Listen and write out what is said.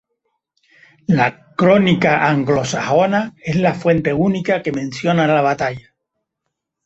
La "Crónica anglosajona" es la fuente única que menciona la batalla.